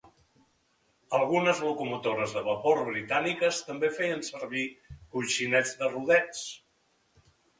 Algunes locomotores de vapor britàniques també feien servir coixinets de rodets.